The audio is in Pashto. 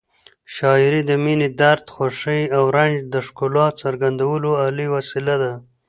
شاعري د مینې، درد، خوښۍ او رنج د ښکلا څرګندولو عالي وسیله ده.